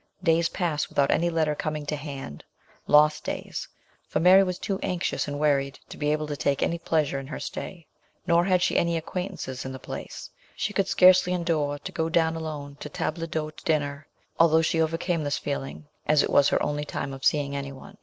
Days pass without any letter coming to hand, lost days, for Mary was too anxious and worried to be able to take any pleasure in her stay, Nor had she any acquaintances in the place ; she could scarcely endure to go down alone to table d'hote dinner, although she overcame this feeling as it was her only time of seeing anyone.